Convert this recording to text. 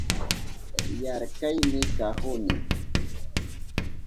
Yarkaymi kahuni